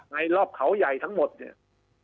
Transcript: รอบเขาใหญ่ทั้งหมดเนี่ย